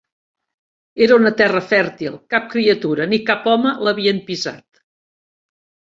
Era una terra fèrtil, cap criatura ni cap home l'havien pisat.